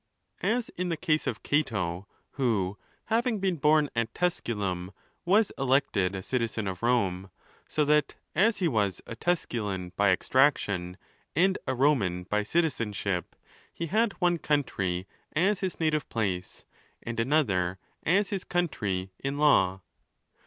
As in the case of Cato, who, having been born at Tusculum, was elected a citizen of Rome; so that, as he was a Tusculan by extraction, and a Roman by citizenship, he had one country as his native place, and another as his country in law.